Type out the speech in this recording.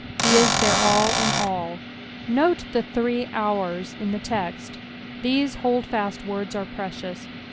He is their all in all. Ufote the three " ourt" in the text. These holdfast words are precious.